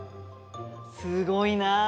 すごいな！